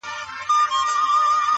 دړي وړي زړه مي رغومه نور ,